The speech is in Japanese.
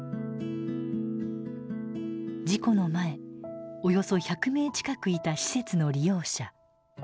事故の前およそ１００名近くいた施設の利用者。